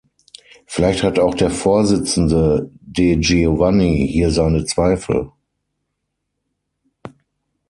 Vielleicht hat auch der Vorsitzende De Giovanni hier seine Zweifel.